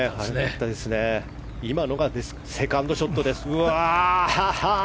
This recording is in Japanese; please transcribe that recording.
今のがセカンドショットです。